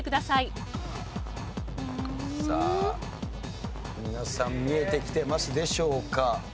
さあ皆さん見えてきてますでしょうか？